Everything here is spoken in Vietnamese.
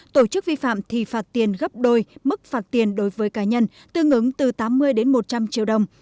tổ chức vi phạm thì phạt tiền gấp đôi mức phạt tiền đối với cá nhân tương ứng từ tám mươi đến một trăm linh triệu đồng